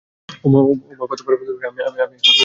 ও মা কতবার বলতে হবে, - আমি এখন বিয়ে করতে চাই না।